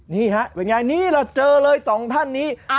นี่ฮะเป็นยัยนี่เหล่าเจอเลยสองท่านนี้เอ้า